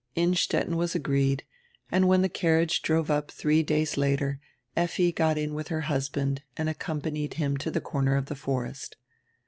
Innstetten was agreed, and when the carriage drove up three days later Effi got in with her husband and accom panied him to the corner of the forest.